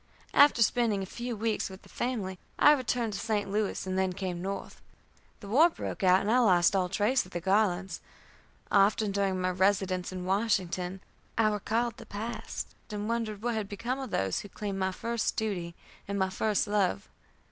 After spending a few weeks with the family, I returned to St. Louis, and then came North. The war broke out, and I lost all trace of the Garlands. Often, during my residence in Washington, I recalled the past, and wondered what had become of those who claimed my first duty and my first love.